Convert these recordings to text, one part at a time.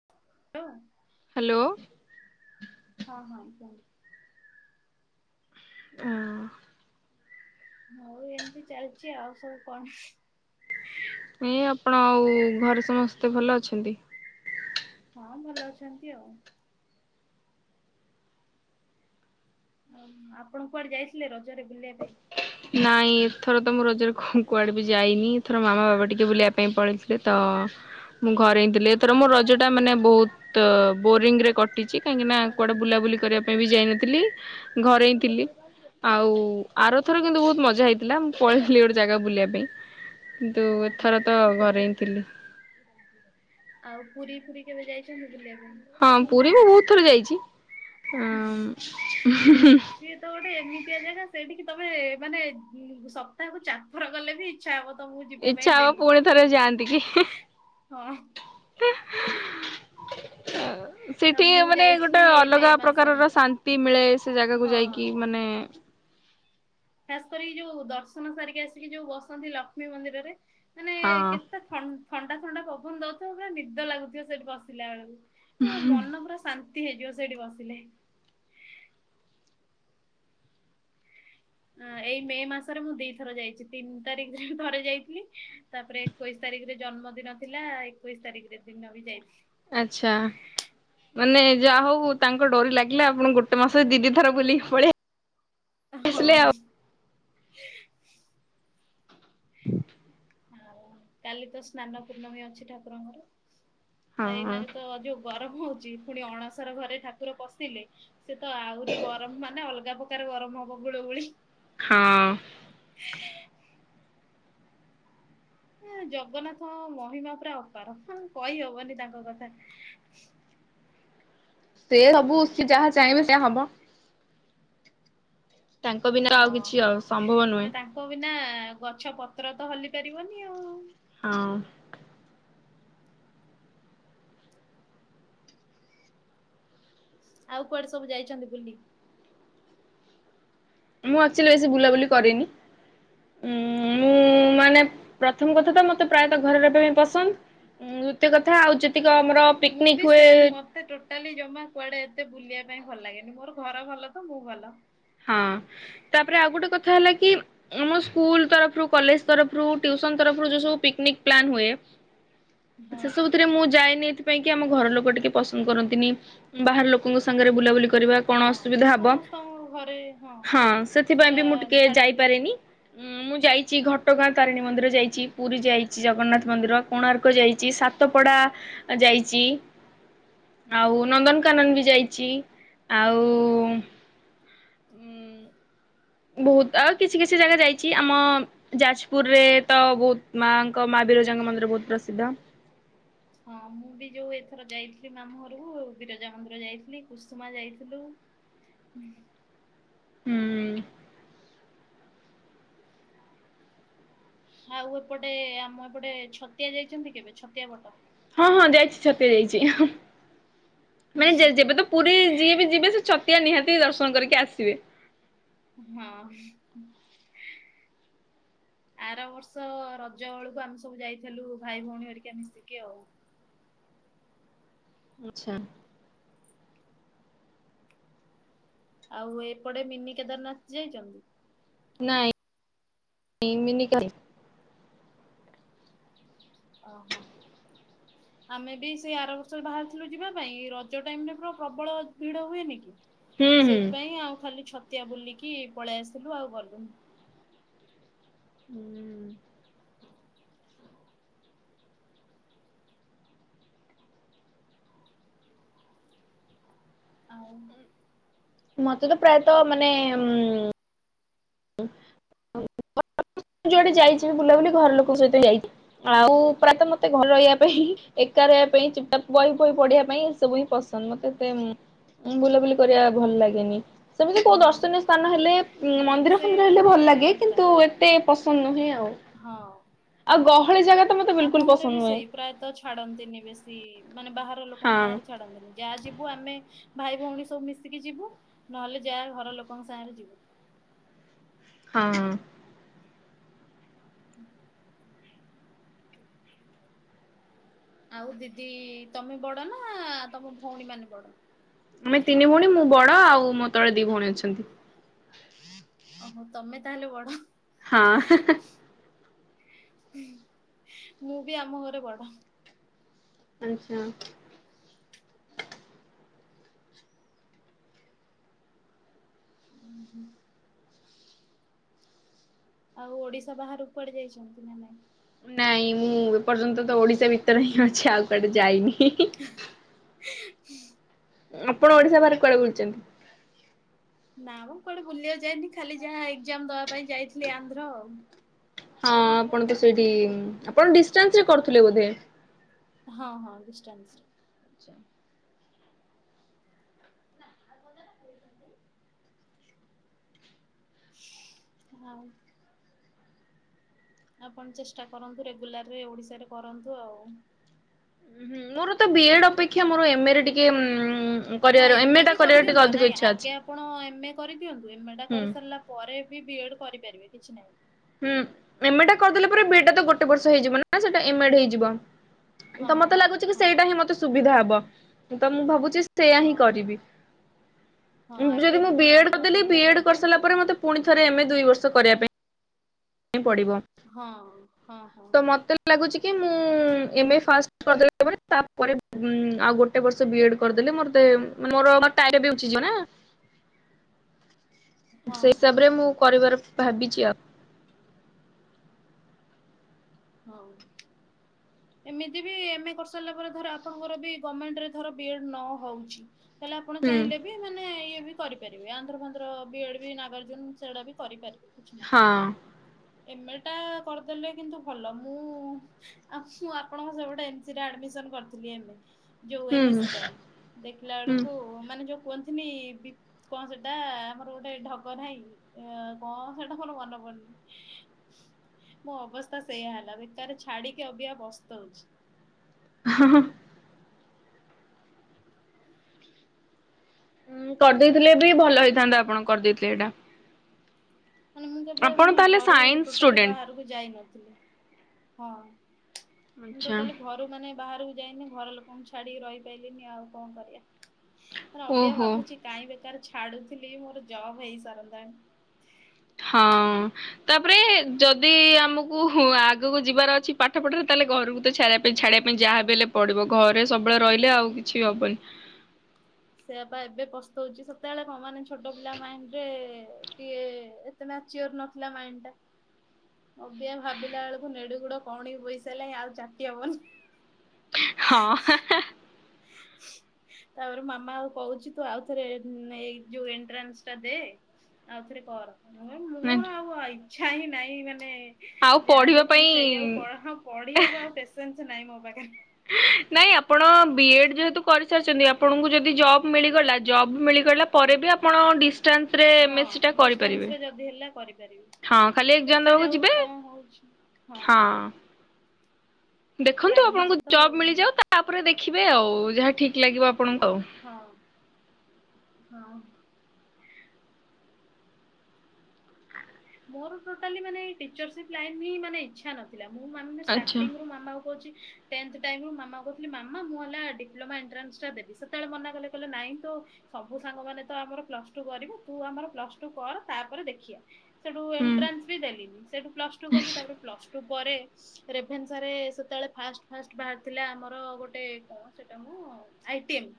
[unintelligible] Hello. ହଁ ହଁ ଜାଣିଚି। ଆଁ। ମୁ ଏମିତି ଚାଲିଛି ଆଉ ସବୁ କଣ। ନେଇ ଆପଣ ଆଉ ଘରେ ସମସ୍ତେ ଭଲ ଅଛନ୍ତି। ହଁ ଭଲ ଅଛନ୍ତି ଆଉ। ଆଉ ଆପଣ କୁଆଡେ ଯାଇଥିଲେ ରଜରେ ବୁଲିବା ପାଇଁ। ନାଇଁ ଏଥର ତ ମୁଁ ରଜରେ କୁଆଡେ ବି ଯାଇନି ଏଥର ମାମା ବାବା ଟିକେ ବୁଲିବା ପାଇଁ ପଳେଇ ଥିଲେ ତ ମୁଁ ଘରେ ହିଁ ଥିଲି ଏଥର ମୋ ରଜ ଟା ମାନେ ବହୁତ। ତ ବୋରିଂ ରେ କଟିଛି କାହିଁକି ନା କୁଆଡେ ବୁଲାବୁଲି କରିବା ପାଇଁ ବି ଯାଇନଥିଲି। ଘରେ ହିଁ ଥିଲି ଆଉ। ଆର ଥର କିନ୍ତୁ ବହୁତ ମଜା ହେଇଥିଲା ମୁଁ ପଳେଇଥିଲି ଗୋଟେ ଜାଗା କୁ ବୁଲିବା ପାଇଁ। କିନ୍ତୁ ଓହୋ ଏଥର ତ ଘରେ ହିଁ ଥିଲି। ଆଉ ପୁରୀ ପୁରୀ କେବେ ଯାଇଛନ୍ତି ବୁଲିବା ପାଇଁ। ହଁ ପୁରୀ ମୁ ବହୁତ ଥର ଯାଇଛି ଆମ୍ ହୁଁ ହୁଁ। ସିଏ ତ ଗୋଟେ ଏମିତିଆ ଜାଗା ସେଇଠିକି ତମେ ମାନେ ଉ ସପ୍ତାହକୁ ଚାରିଥର ଗଲେ ବି। ଇଛା ହବ ତମକୁ ଯିବା ଇଚ୍ଛା ପାଇଁ ହବ ଡେଲି। ପୁଣି ଥରେ ଯାଆନ୍ତି କି। ହଁ। ହଁ ଆଉ ସେଠି ମୁଁ ମାନେ ଗୋଟେ ଯାଇଥିଲି ଏଇ ମେ ଅଲଗା ମାସରେ ପ୍ରକାରର ଶାନ୍ତି ମିଳେ ସେ ଜାଗାକୁ ଯାଇକି ହଁ। ମାନେ। ଖାସ କରିକି ଯୋଉ ଦର୍ଶନ ସାରିକି ଆସିକି ଯୋଉ ବସନ୍ତି ଲକ୍ଷ୍ମୀ ମନ୍ଦିରରେ ମାନେ ହଁ କେତେ। ଥନ୍ ଥଣ୍ଡା ଥଣ୍ଡା ପବନ ଦଉଥିବ ପୁରା ନିଦ ଲାଗୁଥିବ ସେଠି ବଶିଲା ବେଳକୁ। ପୂରା ମନ ପୁରା ଶାନ୍ତି ହେଇଯିବ ସେଇଠି ବସିଲେ। ଆଁ ଏଇ ମେ ମାସରେ ମୁଁ ଦିଥର ଯାଇଛି ତିନି ତାରିଖ ରେ ଥରେ ଯାଇଥିଲି। ତାପରେ ଏକୋଇଶି ତାରିଖରେ ଜନ୍ମଦିନ ଥିଲା ଏକୋଇଶ ତାରିଖରେ ଦିନ ବି ଯାଇଥିଲି। ଆଛା। ମାନେ ଯା ହଉ ତାଙ୍କ ଡୋରି ଲାଗିଲା ଆପଣ ଗୋଟେ ମାସରେ ଦି ଦି ଥର ବୁଲିକି ପଳେଇ ଆଇ ହଁ। ଆଉ କାଲି ତ ସ୍ନାନ ପୂର୍ଣମୀ ଅଛି ଠାକୁରଙ୍କର ଆଉ ହଁ ଏଇନାକେ ତ ଯୋଉ। ଗରମ ହଉଛି ପୁଣି ଅଣସର ଘରେ ଠାକୁର ପଶିଲେ। ସେ ତ ଆହୁରି ଗରମ ମାନେ ଅଲଗା ପ୍ରକାର ଗରମ ହବ ଗୁଳ ଗୁଳି। ହଁ। [unintelligible] ଏ ଜଗନ୍ନାଥ ମହିମା ପୁରା ଅପାର କହିହବନି ତାଙ୍କ କଥା। ସେ ସବୁ ଯାହା ଚାହିଁବେ ସେଇଆ ହବ। ତାଙ୍କ ବିନା ହଁ ଆଉ କିଛି ଆଉ ସମ୍ଭବ ନୁହେଁ ମାନେ ତାଙ୍କ ବିନା ଗଛ ପତ୍ର ତ ହଲି ପାରିବନି ଆଉ। ହଁ। ଆଉ କୁଆଡେ ସବୁ ଯାଇଛନ୍ତି ବୁଲି। ମୁଁ ଆକ୍ଚୁଆଲି ବେଶୀ ବୁଲାବୁଲି କରିନି। ଉଁ ମୁଁ ମାନେ ପ୍ରଥମ କଥା ତ ମତେ ପ୍ରାୟତଃ ଘରେ ରହିବା ପାଇଁ ପସନ୍ଦ। ଉଁ ଦୂତିୟ କଥା ଆଉ ଯେତିକ ଆମର ମୁଁ ବି ପିକନିକ ହୁଏ। ସେମ୍ ମତେ ଟୋଟାଲି ଜମା କୁଆଡେ ଏତେ ବୁଲିବା ପାଇଁ ଭଲ ଲାଗେନି ମୋର ଘର ଭଲ ତ ମୁଁ ଭଲ। ହଁ ତାପରେ ଆଉ ଗୋଟେ କଥା ହେଲା କି। ଆମ ସ୍କୁଲ ତରଫରୁ କଲେଜ ତରଫରୁ ଟ୍ୟୁସନ ତରଫରୁ ଯୋଉ ସବୁ ପିକ୍ନିକ ପ୍ଲାନ୍ ହୁଏ। [inaudible] ସେ ସବୁଥିରେ ମୁଁ ଯାଏନି ଏଥିପାଇଁକି ଆମ ଘର ଲୋକ ଟିକେ ପସନ୍ଦ କରନ୍ତିନି ବାହାର ଲୋକଙ୍କ ସାଙ୍ଗରେ ବୁଲାବୁଲି କରିବା କଣ ଅସୁବିଧା ହବ ତ ଘରେ ହଁ। ହଁ ସେଟା ସେଥିପାଇଁବି ମୁଁ ଟିକେ ଛାଡନ୍ତିନି ଯାଇପାରିନି ମୁଁ ଯାଇଚି ଘ ଘଟଗାଁ ତାରିଣୀ ମନ୍ଦିର ଯାଇଚି। ପୁରୀ ଯାଇଚି ଜଗନ୍ନାଥ ମନ୍ଦିର କୋଣାର୍କ ଯାଇଚି ସାତପଡ଼ା ଯାଇଚି। [inaudible] ଆଉ ନନ୍ଦନକାନନବି ଯାଇଚି ଆଉ ହୁଁ। ବହୁତ୍ ଆଉ କିଛି କିଛି ଜାଗା ଯାଇଚି ଆମ ଯାଜପୁରରେତ ବହୁତ୍ ମାଙ୍କ ମାବିରଜାଙ୍କ ମନ୍ଦିର ବହୁତ୍ ପ୍ରସିଦ୍ଧ। ହଁ ମୁଁବି ଯୋଉ ଏଥର ଯାଇଥିଲି ମାମୁଁ ଘରକୁ ବିରଜା ମନ୍ଦିର ଯାଇଥିଲି କୁସୁମା ଯାଇଥିଲୁ। ହୁଁ। ହୁଁ। ଆଉ ଏପଟେ ଆମ ଏପଟେ ଛତିଆ ଯାଇଚନ୍ତି କେବେ ଛତିଆ ପଟ? ହଁ ହଁ ଯାଇଚି ଛତିଆ ଯାଇଚି ମାନେ ଯେବେତ ପୁରୀ ଯିଏବି ଯିବେ ସେ ଛତିଆ ନିହାତି ଦର୍ଶନ କରିକି ଆସିବେ। ହଁ। ଆର ବର୍ଷ ରଜ ବେଳକୁ ଆମେ ସବୁ ଯାଇଥିଲୁ ଭାଇ ଭଉଣୀ ହରିକା ମିଶିକି ଆଉ। ଆଚ୍ଛା। ଆଉ ଏପଟେ ମିନି କେଦାରନାଥ ଯାଇଚନ୍ତି? ନାଇଁ [unintelligible] ଓହୋ। ଆମେବି ସେଇ ଆର ବର୍ଷ ବାହାରିଥିଲୁ ଯିବା ପାଇଁ ଏଇ ରଜ ଟାଇମରେ ପୁରା ପ୍ରବଳ ଭିଡ଼ ହୁଏନିକି? ହୁଁ ହୁଁ। ସେଥିପାଇଁ ଆଉ ଖାଲି ଛତିଆ ବୁଲିକି ପଳେଇ ଆସିଲୁ ଆଉ ଗଲୁନୁ। ହୁଁ। ଆଉ। ମତେତ ପ୍ରାୟତଃ ମାନେ ଉ [unintelligible] ମୁଁ ଯୁଆଡ଼େ ଯାଇଚି ବୁଲାବୁଲି ଘର ଲୋକଙ୍କ ସହିତ ଯାଇଚି। ଆଉ ପ୍ରାୟତଃ ମତେ ଘର ରହିବା ପାଇଁ ଏକା ରହିବା ପାଇଁ ବହି ବହି ପଢିବା ପାଇଁ ଏସବୁହିଁ ପସ ତତେ ବୁଲାବୁଲି କରିବା ଭଲ ଲାଗେନି। ସେମିତି କୋଉ ମୁଁ ବି ଦର୍ଶନୀୟ ସ୍ଥାନ ହେଲେ ମୁଁ ବି ମନ୍ଦିର ସେଇ ଫନ୍ଦିର ହେଲେ ମାନେ ଭଲ ଲାଗେ ଏକା କିନ୍ତୁ ଏତେ ପସନ୍ଦ ନୁହେଁ ଆଉ। ହଁ। ଆଉ ଗହଳି ଜାଗା ତ ମତେ ଆମ ବିଲକୁଲ ପସନ୍ଦ ଘରେବି ନୁହେଁ ସେଇ ପ୍ରାୟତ ଛାଡ଼ନ୍ତିନି ବେଶୀ ମାନେ ବାହାର ଲୋକଙ୍କ ହଁ। ସାଙ୍ଗରେ ଛାଡନ୍ତିନି। ଯାହା ଯିବୁ ଆମେ ଭାଇ ଭଉଣୀ ସବୁ ମିଶିକି ଯିବୁ ନହେଲେ ଯାହା ଘର ଲୋକଙ୍କ ସାଙ୍ଗରେ ଯିବୁ। ହଁ। ହୁଁ। ଆଉ ଦିଦି ତମେ ବଡ଼ନା ତମ ଭଉଣୀ ମାନେ ବଡ଼? ଆମେ ତିନି ଭଉଣୀ ମୁଁ ବଡ଼ ଆଉ ମୋତଳେ ଦି ଭଉଣୀ ଅଛନ୍ତି। ଓହୋ ତମେ ତାହେଲେ ବଡ଼। ହଁ, ହ୍ନେ, ହ୍ନେ। ହୁଁ, ମୁଁ ବି ଆମ ଘରେ ବଡ। ଆଚ୍ଛା ହୁଁ, ହୁଁ। ଆଉ ଓଡିଶା ବାହାରକୁ କୁଆଡେ ଯାଇଛନ୍ତି ନା ନାଇଁ? ନାଇଁ ମୁଁ ଏପର୍ଯ୍ୟନ୍ତ ତ ଓଡିଶା ଭିତରେ ହିଁ ଅଛି ଆଉ କୁଆଡେ ଯାଇନି, ହିଁ, ହିଁ। [inaudible] ଆପଣ ଓଡିଶା ବାହାରେ କୁଆଡେ ବୁଲିଛନ୍ତି? ନା ମ ମୁଁ କଆଡେ ବୁଲିବାକୁ ଯାନି ଖାଲି ଯାହା ଏକ୍ଜାମ ଦବା ପାଇଁ ଯାଇଥିଲି ଆନ୍ଧ୍ର ଆଉ। ହଁ, ଆପଣ ତ ସେଇଠି ଆପଣ ଡିଷ୍ଟାନ୍ସରେ କରୁଥିଲେ ବୋଧେ? ହଁ, ହଁ ଡିଷ୍ଟାନ୍ସରେ। ଆଛା [unintelligible] ହଁ। ଆପଣ ଚେଷ୍ଟା କରନ୍ତୁ ରେଗୁଲାରରେ ଓଡ଼ିଶାରେ କରନ୍ତୁ ଆଉ। ହଁ, ମୋର ତ ବି ଏଡ ଅପେକ୍ଷା ମୋର ଏମ ଏ ରେ ଟିକେ ଉମ୍ ହଁ, ଏମ ଏ ବି କରିଦିଅନ୍ତୁ ଆ ନାଇଁ ଆଗେ ଆପଣ ଏମ ଏ କରିଦିଅନ୍ତୁ ଏମ ଏ ଟା ହୁଁ କରିସାରିଲା ପରେ ବି ବି ଏଡ୍ କରିପାରିବେ କିଛି ନାହିଁ। ହୁଁ, ଏମ ଏ ଟା କରିଦେଲା ପରେ ବି ଇ ଡି ତ ଗୋଟେ ବର୍ଷ ହେଇଯିବ ନା ସେଟା ଏମ ଏଡ ହେଇଯିବ। ହଁ ତ ମତେ ହଁ ଲାଗୁଛି କି ହଁ ସେଇଟା ହିଁ ମତେ ସୁବିଧା ହବ ତ ମୁଁ ଭାବୁଛି ସେୟଆ ହଁ ହିଁ କରିବି ହଁ ଆଗେ ଯଦି ମୁଁ ବେ ବି ଏ ଡ ଆପଣ କରିଦେଲି ଏମେ ଟା ବି ଏଡ୍ କରିଦିଅନ୍ତୁ କରିସାରିଲା ପରେ ମତେ ପୁଣି ଥରେ ଏମ୍ ଏ ଦୁଇ ବର୍ଷ କରିବା ପାଇଁ ପଡ଼ିବ। ହଁ। ହଁ ହଁ ତ ମତେ ଲାଗୁଛି କି ମୁଁ ଏମ ଏ ଫାଷ୍ଟ କରିଦେଲା ପରେ ତାପରେ ଆଉ ଗୋଟେ ଗୋଟେ ବର୍ଷ ବି ଏ ଡ କରିଦେଲେ ମୋତେ ମୋର ଟାୟ ବି ଉଠିଯିବା ନା। [inaudible] ହଁ ସେଇ ହଁ ହିସାବରେ ମୁଁ କରିବାର ଭାବିଛି ଆଉ। ହଉ। ଏମିତି ବି ଏମ ଏ କରିସାରିଲା ପରେ ଧର ଆପଣଙ୍କର ବି ଗମେଣ୍ଟ ରେ ଧର ବିଏଡ ନ ହଉଛି। ତାହେଲେ ଆପଣ ହୁଁ ଚାହିଁଲେ ବି ବି ମାନେ ଇଏ ବି କରିପାରିବେ ଆନ୍ଧ୍ର ଫାନ୍ଧ୍ର ବି ଏଡ୍ ବି ନାଗାର୍ଜୁନ ସେଗୁଡା ବି କରିପାରିବେ। କିଛି ନା ହଁ। ଏମଟା କରିଦେଲେ କିନ୍ତୁ ଭଲ ମୁଁ ଆସୁ ଆପଣଙ୍କ ସବୁ ଏନ୍ସିରେ ଆଡମିନ କରିଥିଲି ଏମଏ ଯୋଉ ହୁଁ ଏମ ଏସ୍ ସି ପାଇଁ ଦେଖିଲା ହୁଁ ବେଳକୁ ମାନେ ଯୋଉ କୁହନ୍ତିନି ବି କଣ ସେଟା ଆମର ଗୋଟେ ଢଗ ନାହିଁ ଅ କଣ ସେଟା କଣ ମନ ପଡୁନି। ମୋ ଅବସ୍ଥା ସେଇୟା ହେଲା ଭିତରେ ଛାଡିକି ଅବିକା ପସ୍ତଉଛି। ହୁଁ, ହୁଁ। ହୁଁ, କରି ଦେଇଥିଲେ ବି ଭଲ ହେଇଥାନ୍ତା ଆପଣ କରିଦେଇଥିଲେ ଏଇଟା। ମାନ ମୁଁ ଯେବେ ଆପଣ ମାନେ ତାହେଲେ ଘରୁ ସାଇନ୍ସ ଟୋଟାଲି ଷ୍ଟୁଡେଣ୍ଟ ବାହାରକୁ ଯଇନଥିଲି ହଁ ମୁଁ ଆଚ୍ଛା ଟୋଟାଲି ଘରୁ ମାନେ ବାହରୁ ଯାଇନି ଘର ଲୋକଙ୍କୁ ଛାଡିକି ରହିପାରନି ଆଉ କଣ କରିବା ମ ଅବିକା ଓହୋ ଭାବୁଛି। କାଇଁ ବେକାର ଛାଡୁଥିଲି ମୋର ଜବ୍ ହେଇସାରନ୍ତାଣି। ହଁ। ତାପରେ ଯଦି ଆମକୁ ଆଗକୁ ଯିବାର ଅଛି ପାଠ ପଢ଼ାରେ ତାହେଲେ ଘରୁକୁ ଛାଡ଼ିବା ପାଇଁ ଛାଡ଼ିବା ପାଇଁ ଯାହାବି ହେଲେ ପଡ଼ିବ ଘରେ ସବୁବେଳେ ରହିଲେ ଆଉ କିଛି ହବନି। ସେଇୟାପ ଏବେ ପସ୍ତଉଛି ସେତେବେଳେ କଣ ମାନେ ଛୋଟ ପିଲା ମାଇଣ୍ଡ ରେ ଟିଏ ମ୍ୟାଚିୟର ନଥିଲା ମାଇଣ୍ଡ ଟା। ଅବିଆ ଭାବିଲା ବେଳକୁ ନେଡ଼ିଗୋଡ଼ କହୁଣି କି ବୋଇସାରିଲାଣି ଆଉ ଚାଟି ହବନି। ହଁ ହାଁ ହାଁ। [inaudible] ତାପରେ ମାମା ଆଉ କହୁଛି ତୁ ଆଉ ଥରେ ଏ ଏ ଯୋଉ ଏଣ୍ଟ୍ରାନ୍ସ ଟା ଦେ। ଆଉଥରେ କର ମୁଁ କହି ମୁ ନାଇଁ। ଆଉ ଅ ଇଚ୍ଛା ହିଁ ନାଇଁ ମାନେ ଆଉ ଯାହା ପଢିବା ଯେତିକି ପାଇଁ ସେଇଆକୁ ପହ ପଢ଼ିବାକୁ ଆଉ ପେଶେ ନ୍ସ ନାହିଁ ମୋ ପାଖେରେ। ନାଇଁ ଆପଣ ବି ଏଡ୍ ଯେହେତୁ କରିସାରିଛନ୍ତି ଆପଣଙ୍କୁ ଯଦି ଜବ୍ ମିଳିଗଲା ଜବ ମିଳିଗଲା ପରେ ବି ଆପଣ ଡିଷ୍ଟାନ୍ସ ରେ ଏ ମେ ସି ଟା ହଁ କରିପାରିବେ ଡିଷ୍ଟାନ୍ସ ରେ ଯଦି ହେଲା କରିପାରିବି ହଁ ଖାଲି ଏଜ୍ଜାମ ଦେବାକୁ ଦେଖାଯାଉ ଯିବେ। କଣ ହଉଛି। ହଁ। ଦେଖନ୍ତୁ ଲାଗିଛି ଆପଣଙ୍କୁ ତ ଜବ ଆଉ ମିଳିଯାଉ ତାପରେ ଦେଖିବେ ଆଉ ଯାହା ଠିକ ଲାଗିବ ଆପଣଙ୍କୁ ଆଉ। ହଁ ହଁ। ମୋର ଟୋଟାଲି ମାନେ ଏଇ ଟିଚରସିପ ଲାଇନ ହିଁ ମାନେ ଇଚ୍ଛା ନ ଥିଲା ମୁଁ ମାନୁନି ଆଚ୍ଛା ଷ୍ଟାଟିଙ୍ଗ ରୁ ମାମାଙ୍କୁ କହୁଛି। ଟେନ୍ଥ ଟାଇମ୍ ରୁ ମାମାକୁ କହୁଥିଲି ମାମା ମୁଁ ହେଲା ଡିପ୍ଲୋମା ଏଣ୍ଟ୍ରାନ୍ସଟା ଦେବି ସେତେବେଳେ ମନା କଲେ କହିଲେ ନାଇଁ ତୁ ସବୁ ସାଙ୍ଗ ମାନେ ତ ଆମର ପ୍ଲସ ଟୁ କରିବୁ ତୁ ଆମର ପ୍ଲସ ଟୁ କର ତାପରେ ଦେଖିଆ। ସେଠୁ ହୁଁ ଏଣ୍ଟ୍ରାନ୍ସ ବି ଦେଲିନି ସେଠୁ ପ୍ଲସ ଟୁ କଲି ତାପରେ ପ୍ଲସ ଟୁ ପରେ ରେଭେନ୍ସା ରେ ସେତେବେଳେ ଫାଷ୍ଟ ଫାଷ୍ଟ ବାହାରିଥିଲା ଆମର ଗୋଟେ କଣ ସେଟାମ ଆଇଟିଏମ୍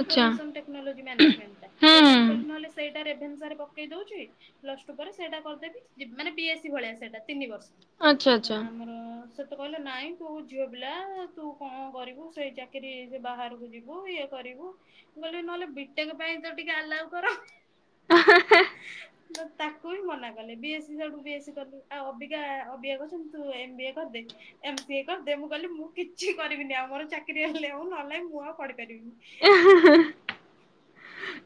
ଆଚ୍ଛା ଟେକ୍ନୋଲୋଜି ହୁଁ ମ୍ୟାନେଜମେଣ୍ଟା ସେଇଟା ମୁ କହିଲି ହୁଁ ନହେଲେ ସେ ସେଇଟା ରେଭେନ୍ସା ରେ ପକେଇ ଦଉଚି ପ୍ଲସ୍ ପରେ ସେଇଟା କରିଦେବି ଇବି ମାନେ ପିଏସି ଭଳିଆ ସେଇଟା ତିନି ବର୍ଷ ଆଚ୍ଛା ଆଚ୍ଛା। ଆମର ସେତେ କହିଲେ ନାଇଁ ତୁ ଝିଅ ପିଲା ତୁ କଣ କରିବୁ ସେଇ ଚାକିରି ସେ ବାହାରକୁ ଯିବୁ ଇଏ କରିବୁ ମୁ କହିଲି ନହେଲେ ବିଟେକ ପାଇଁ ତ ଟିକେ ଆଲାଉ କର। ତାକୁ ବି ମନା କଲେ ବିଏସ୍ ସି ସଉଳୁ ବିଏସ୍ ସ କଲି ଆଉ ଅବିକା ଅବିକା କହୁଛନ୍ତି ତୁ ଏମ୍ ବିଏ କରିଦେ। ଏମ ସିଏ କରିଦେ ମୁଁ କହିଲି ମୁଁ କିଛି କରିବିନି ଆଉ ମର ଚାକିରି ହେଲେ ଆଉ ନହେଲେ ନାଇଁ ମୁଁ ଆଉ କରିପାରିବିନି।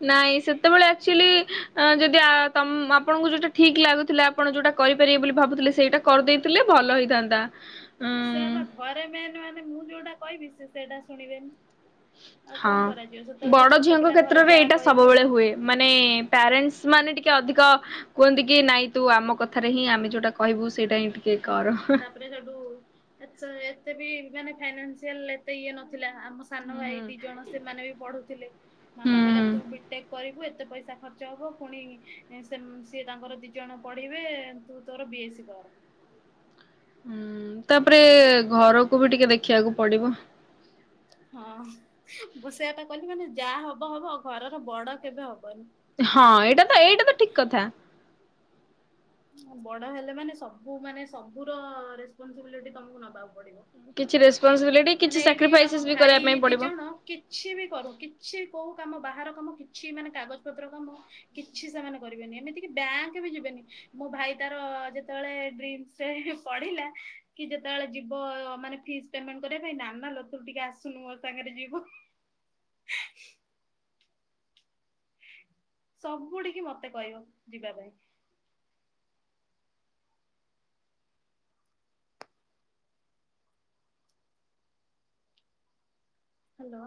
ନାଇଁ ସେତେବେଳେ ଆକ୍ଚୁଆଲି ଆ ଯଦି ଆ ତମ ଆପଣଙ୍କୁ ଯୋଉଟା ଠିକ ଲାଗୁଥିଲା ଆପଣ ଯୋଉଟା କରିପାରିବେ ବୋଲି ଭାବୁଥିଲେ ସେଇଟା କରିଦେଇଥିଲେ ଭଲ ହେଇଥାନ୍ତା। ଉଁ ସେ ବା ଘରେ ମେନ୍ ମାନେ ମୁଁ ଯୋଉଟା କହିବି ସେ ସେଇଟା ଶୁଣିବେନି। ଆଉ ହଁ। କଣ କରାଯିବ ସେତେବେଳେ ବଡ ତ ଛୋଟ ଝିଅଙ୍କ ପିଲା ଘରେ କ୍ଷେତ୍ରରେ ଯାହା ଏଇଟା କହିବେ। ସବୁବେଳେ ହୁଏ ମାନେ ପ୍ୟାରେଣ୍ଟସ୍ ମାନେ ଟିକେ ଅଧିକ କୁହନ୍ତି କି ନାଇଁ ତୁ ଆମ କଥାରେ ହିଁ ଆମ ଯଉଟା କହିବୁ ସେଇଟା ହିଁ ଠି ହଁ ତାପରେ ସେଠୁ ଏଚା ଏତେ ବି ମାନେ ଫାଇନାସିଆଲ ଏତେ ଇଏ ନ ଥିଲା ଆମ ସାନ ଭାଇ ହୁଁ ଦି ଜଣ ସେମାନେ ବି ପଢ଼ୁଥିଲେ। ମାମା ହୁଁ କହିଲା ହୁଁ। ତୁ ବିଟେକ୍ କରିବୁ ଏତେ ପଇସା ଖର୍ଚ୍ଚ ହବ ପୁଣି ଏ ସେମ ସିଏ ତାଙ୍କର ଦି ଜଣ ପଢ଼ିବେ ତୁ ତୋର ବି ଏସ୍ ସି କର। ଉଁ ତାପରେ ଘରକୁ ବି ଟିକେ ଦେଖିବାକୁ ପଡ଼ିବ। ହଁ ବ ସେୟାପା କହିଲି ମାନେ ଯାହା ହବ ହବ ଘରର ବଡ଼ କେବେ ହବନି। ହଁ ଏଇଟା ତ ଏଇଟା ତ ଠିକ କଥା। ବଡ଼ ହେଲେ ମାନେ ସବୁ ମାନେ ସବୁର ରେସପନସିବିଲିଟି ତମକୁ ନବାକୁ ପଡ଼ିବ। କିଛି ରେସପନ୍ସିବିଲିଟି ମାନେ ଏଇଠି ଆମ ଭାଇ ଦି ଜଣ କି ଛି ବି କରୁ, କିଛି କଉ କାମ ବାହାର କାମ କିଛି ମାନେ କାଗଜ ପତ୍ର କାମ କିଛି ସେମାନେ କରିବେନି, ଏମିତିକି ବ୍ୟାଙ୍କ ବି ଯିବେନି, ମୋ ଭାଇ ତାର ଯେତେବେଳେ ଡ୍ରିମ୍ ରେ ପଢ଼ିଲା କି ଯେତେବେଳେ ଯିବ ମାନେ ଫିସ୍ ପେମେଣ୍ଟ କରିବା ପାଇଁ ନାନାଲୋ ତୁ ଟିକେ ଆସୁନୁ ମୋ ସାଙ୍ଗରେ ଯିବୁ। ସବୁଠିକି ମତେ କହିବ ଯିବା ପାଇଁ। ହାଲୋ।